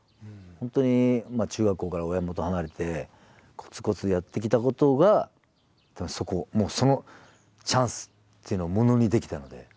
本当に中学校から親元離れてコツコツやってきたことがそのチャンスというのをものにできたので。